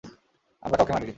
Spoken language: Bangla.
আমরা কাউকে মারি নি।